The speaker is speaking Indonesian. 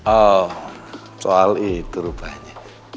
oh soal itu rupanya